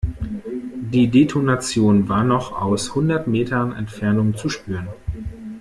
Die Detonation war noch aus hundert Metern Entfernung zu spüren.